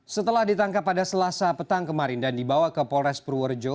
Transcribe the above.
setelah ditangkap pada selasa petang kemarin dan dibawa ke polres purworejo